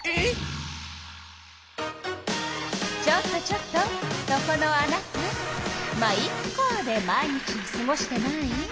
ちょっとちょっとそこのあなた「ま、イッカ」で毎日をすごしてない？